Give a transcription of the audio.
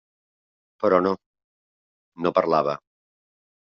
Però no; no parlava.